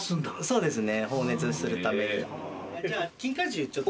そうですね。